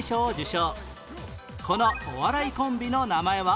このお笑いコンビの名前は？